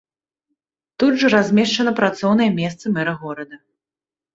Тут жа размешчана працоўнае месца мэра горада.